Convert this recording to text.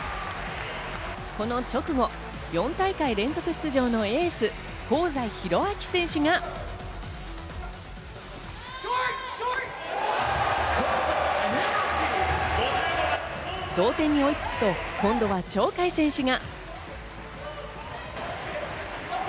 この直後、４大会連続出場のエース香西宏昭選手が同点に追いつくと、今度は鳥海選手が。